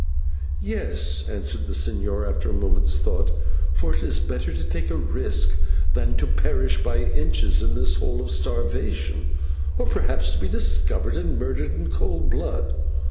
"Yes," answered the señor after a moment's thought, "for it is better to take a risk than to perish by inches in this hole of starvation, or perhaps to be discovered and murdered in cold blood.